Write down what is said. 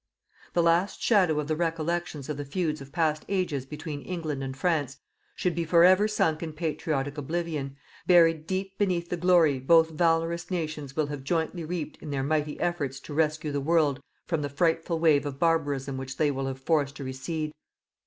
The last shadow of the recollections of the feuds of past ages between England and France should be forever sunk in patriotic oblivion, buried deep beneath the glory both valorous nations will have jointly reaped in their mighty efforts to rescue the world from the frightful wave of barbarism which they will have forced to recede.